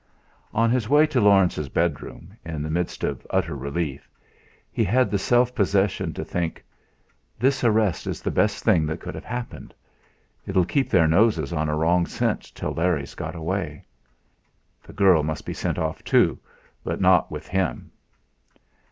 On his way to Laurence's bedroom, in the midst of utter relief, he had the self possession to think: 'This arrest is the best thing that could have happened. It'll keep their noses on a wrong scent till Larry's got away. The girl must be sent off too, but not with him.'